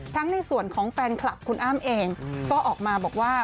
ในส่วนของแฟนคลับคุณอ้ำเองก็ออกมาบอกว่า